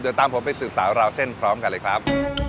เดี๋ยวตามผมไปสืบสาวราวเส้นพร้อมกันเลยครับ